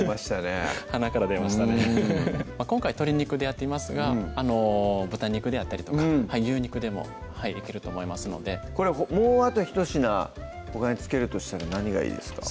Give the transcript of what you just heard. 今回鶏肉でやっていますが豚肉であったりとか牛肉でもできると思いますのでこれもうあとひと品ほかに付けるとしたら何がいいですか？